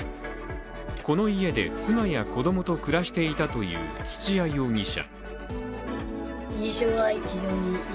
この家で妻や子供と暮らしていたという土屋容疑者。